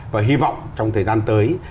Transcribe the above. và hy vọng trong thời gian tới